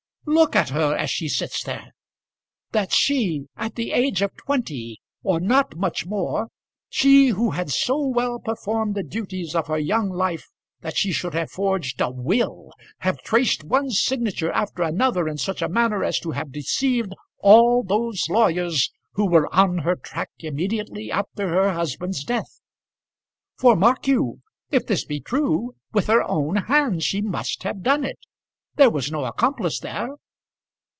Look at her, as she sits there! That she, at the age of twenty, or not much more, she who had so well performed the duties of her young life, that she should have forged a will, have traced one signature after another in such a manner as to have deceived all those lawyers who were on her track immediately after her husband's death! For, mark you, if this be true, with her own hand she must have done it! There was no accomplice there.